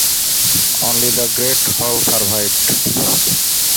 Only the great hall survived.